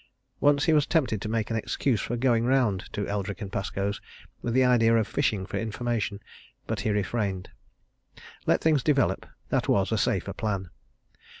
Once he was tempted to make an excuse for going round to Eldrick & Pascoe's with the idea of fishing for information but he refrained. Let things develop that was a safer plan.